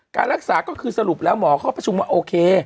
การรักษาก็คือสรุปแล้วหมอเขาก็ประชุมว่าโอเค